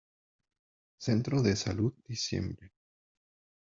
Centro de Salud Dec.